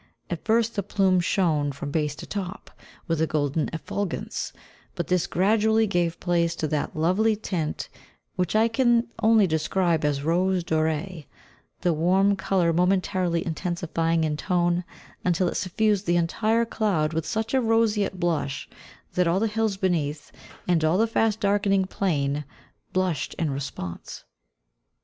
At first the plume shone, from base to top, with a golden effulgence; but this gradually gave place to that lovely tint which I can only describe as rose dorée, the warm colour momentarily intensifying in tone until it suffused the entire cloud with such a roseate blush that all the hills beneath, and all the fast darkening plain, blushed in response.